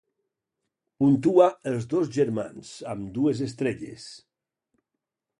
Puntua "Els dos germans" amb dues estrelles.